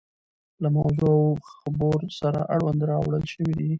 له موضوع او خبور سره اړوند راوړل شوي دي.